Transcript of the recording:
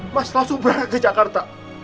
mas langsung berangkat ke jakarta